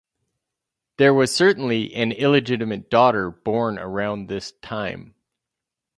There was certainly an illegitimate daughter born around this time.